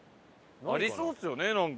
ありそうですよねなんか。